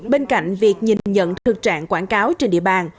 bên cạnh việc nhìn nhận thực trạng quảng cáo trên địa bàn